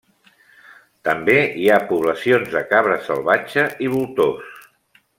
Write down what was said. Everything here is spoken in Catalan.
També hi ha poblacions de cabra salvatge i voltors.